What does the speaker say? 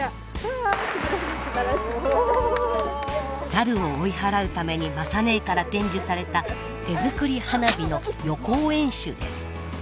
サルを追い払うために雅ねえから伝授された手作り花火の予行演習です。